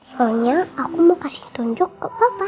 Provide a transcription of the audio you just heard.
soalnya aku mau kasih tunjuk ke bapak